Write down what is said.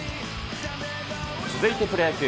続いてプロ野球。